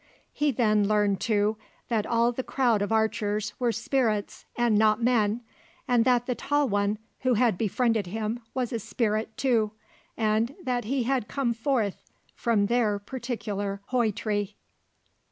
He then learned, too, that all the crowd of archers were spirits and not men, and that the tall one who had befriended him was a spirit too, and that he had come forth from their particular Hoi tree.